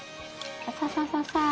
サササササー。